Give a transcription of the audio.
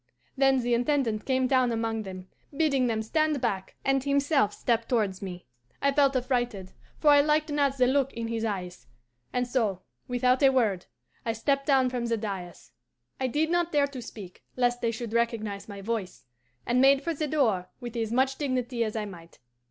"Then the Intendant came down among them, bidding them stand back, and himself stepped towards me. I felt affrighted, for I liked not the look in his eyes, and so, without a word, I stepped down from the dais I did not dare to speak, lest they should recognize my voice and made for the door with as much dignity as I might.